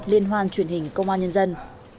linh hoan truyền hình công an nhân dân